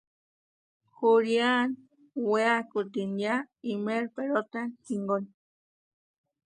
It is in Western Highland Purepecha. Juliani weakutʼi ya imeri pelotani jinkoni.